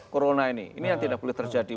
corona ini ini yang tidak boleh terjadi